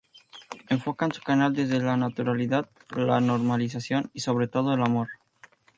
Enfocan su canal desde la naturalidad, la normalización y sobre todo el amor.